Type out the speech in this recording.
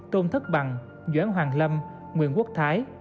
tôn thất bằng doãn hoàng lâm nguyễn quốc thái